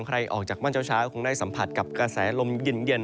ใครออกจากมั่นเจ้าช้าคงได้สัมผัสกับกระแสลมยิ่นเย็น